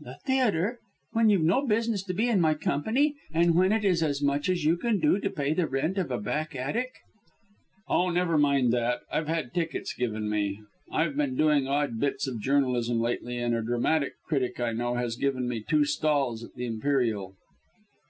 "The theatre! When you've no business to be in my company, and when it is as much as you can do to pay the rent of a back attic!" "Oh, never mind that. I've had tickets given me. I've been doing odd bits of journalism lately, and a dramatic critic I know has given me two stalls at the Imperial!"